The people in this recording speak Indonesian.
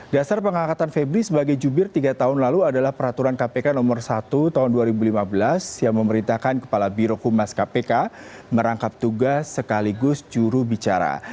dasar pengangkatan febri sebagai jubir tiga tahun lalu adalah peraturan kpk nomor satu tahun dua ribu lima belas yang memerintahkan kepala birokumas kpk merangkap tugas sekaligus jurubicara